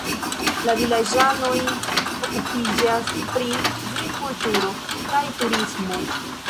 La vilaĝanoj okupiĝas pri vinkulturo kaj turismo.